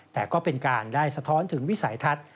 แต่ก็เป็นการได้สะท้อนถึงวิสัยทัศน์